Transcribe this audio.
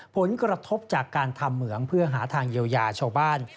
ผลกระทบจากการทำเหมืองเพื่อหาทางเยียวยาชาวบ้าน